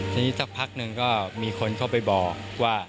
ทีนี้สักพักหนึ่งก็มีคนเข้าไปบอกว่า